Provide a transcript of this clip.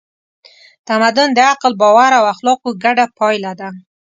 تمدن د عقل، باور او اخلاقو ګډه پایله ده.